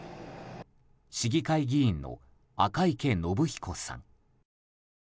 市議会議員の赤池伸彦さん。